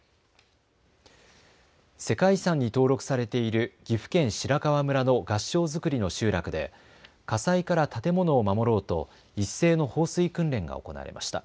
世界遺産に登録されている岐阜県白川村の合掌造りの集落で火災から建物を守ろうと一斉の放水訓練が行われました。